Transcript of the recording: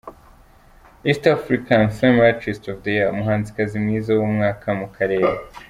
East African Femele Artist of the year: Umuhanzikazi mwiza w’umwaka mu karere.